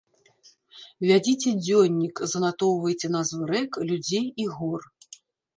Вядзіце дзённік, занатоўвайце назвы рэк, людзей і гор.